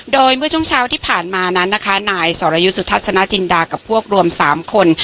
โดยเมื่อช่วงเช้าที่ผ่านมานั้นนะคะนายสรยุทธ์สุทัศนจินดากับพวกรวม๓คน